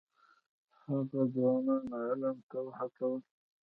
هغه ځوانان علم ته وهڅول.